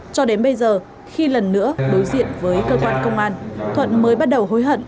cho đến bây giờ khi lần nữa đối diện với cơ quan công an thuận mới bắt đầu hối hận